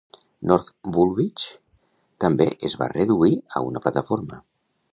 North Woolwich també es va reduir a una plataforma.